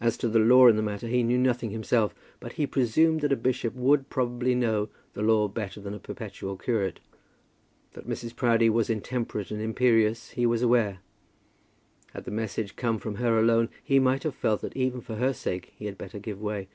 As to the law in the matter he knew nothing himself; but he presumed that a bishop would probably know the law better than a perpetual curate. That Mrs. Proudie was intemperate and imperious, he was aware. Had the message come from her alone, he might have felt that even for her sake he had better give way.